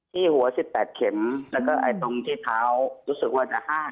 ที่หัว๑๘เข็มแล้วก็ตรงที่เท้ารู้สึกว่าจะห้าม